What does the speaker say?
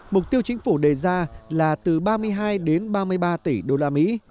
mục tiêu chính phủ đề ra là từ ba mươi hai đến ba mươi ba tỷ đô la mỹ